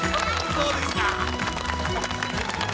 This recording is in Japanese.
どうですか？